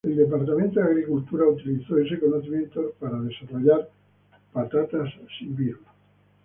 El Departamento de Agricultura utilizó ese conocimiento para desarrollar patatas sin virus.